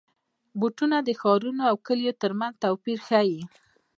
بوټونه د ښارونو او کلیو ترمنځ توپیر ښيي.